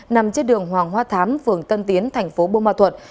nằm trên đường hoàng hoa thám phường tân tiến thành phố bô ma thuật